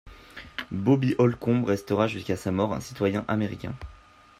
Bobby Holcomb restera jusqu'à sa mort un citoyen américain.